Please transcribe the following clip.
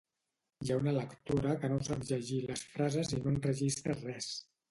Hi ha una lectora que no sap llegir les frases i no enregistra res